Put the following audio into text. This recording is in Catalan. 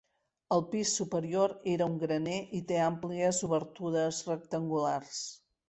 El pis superior era un graner i té àmplies obertures rectangulars.